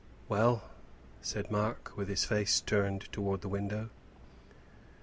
"Well," said Mark, with his face still turned towards the window.